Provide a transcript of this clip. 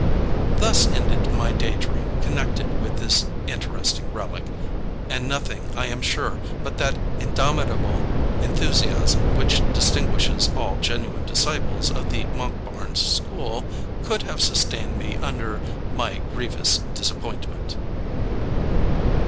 Thus ended my day dream connected with this interesting relic; and nothing, I am sure, but that indomitable enthusiasm which distinguishes all genuine disciples of the Monkbarns school, could have sustained me under my grievous disappointment.